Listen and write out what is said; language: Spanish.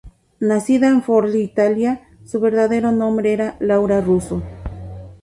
Nacida en Forlì, Italia, su verdadero nombre era Laura Russo.